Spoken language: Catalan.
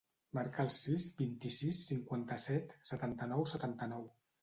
Marca el sis, vint-i-sis, cinquanta-set, setanta-nou, setanta-nou.